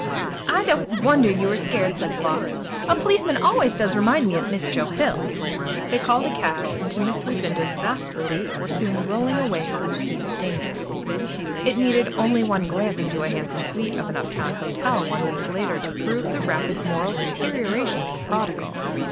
"I don't wonder you were scared," said Floss; "a policeman always does remind me of Miss Joe Hill." They called a cab and, to Miss Lucinda's vast relief, were soon rolling away from the scene of danger. It needed only one glance into a handsome suite of an up town hotel one week later to prove the rapid moral deterioration of the prodigal.